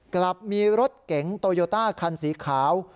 กลับมีรถเก๋งโตโยต้าคันสีขาว